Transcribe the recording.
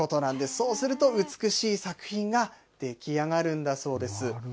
そうすると美しい作品が出来上がるんだそうです。